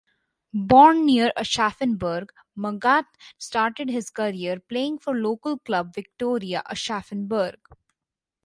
Born near Aschaffenburg, Magath started his career playing for local club Viktoria Aschaffenburg.